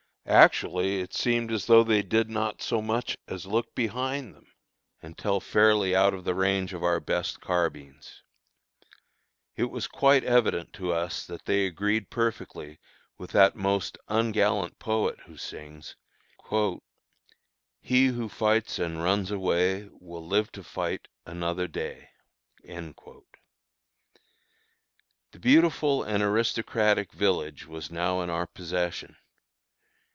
Actually it seemed as though they did not so much as look behind them until fairly out of the range of our best carbines. It was quite evident to us that they agreed perfectly with that most ungallant poet, who sings: "He who fights and runs away, Will live to fight another day." The beautiful and aristocratic village was now in our possession.